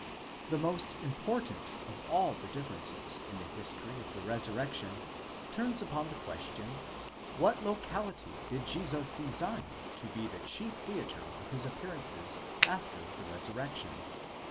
The most important of all the differences in the history of the resurrection turns upon the question, what locality did Jesus design to be the chief theatre of his appearances after the resurrection?